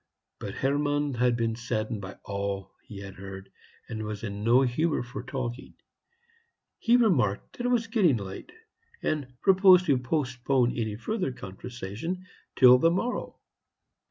But Hermann had been saddened by all he had heard, and was in no humor for talking. He remarked that it was getting late, and proposed to postpone any further conversation till the morrow.